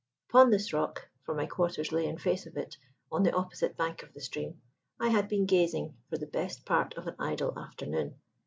Upon this rock for my quarters lay in face of it, on the opposite bank of the stream I had been gazing for the best part of an idle afternoon.